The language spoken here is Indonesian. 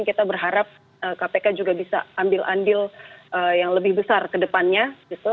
kita berharap kpk juga bisa ambil ambil yang lebih besar ke depannya gitu